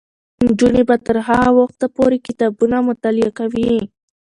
نجونې به تر هغه وخته پورې کتابونه مطالعه کوي.